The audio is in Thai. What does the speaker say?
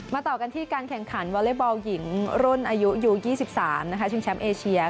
ต่อกันที่การแข่งขันวอเล็กบอลหญิงรุ่นอายุอยู่๒๓ชิงแชมป์เอเชีย